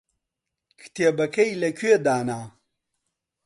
کتێبەکەی لەکوێ دانا؟